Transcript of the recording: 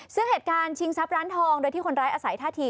ซึ่งเหตุการณ์ชิงทรัพย์ร้านทองโดยที่คนร้ายอาศัยท่าที